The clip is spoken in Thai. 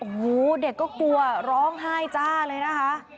โอ้โหเด็กก็กลัวร้องไห้จ้าเลยนะคะ